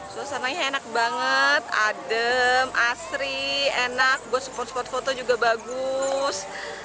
suasananya enak banget adem asri enak buat spot spot foto juga bagus